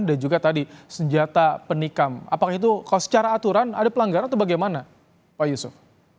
juga tadi senjata penikam apakah itu kalau secara aturan ada pelanggaran atau bagaimana pak yusuf